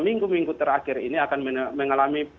minggu minggu terakhir ini akan mengalami